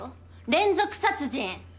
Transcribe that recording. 連続殺人！